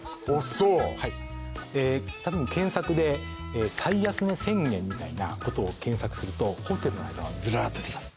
そうはい例えば検索で「最安値宣言」みたいなことを検索するとホテルのズラーッと出てきます